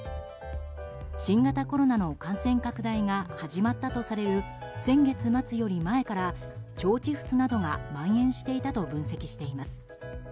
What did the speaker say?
新型コロナの感染拡大が始まったとされる先月末より前から腸チフスなどがまん延していたと分析しています。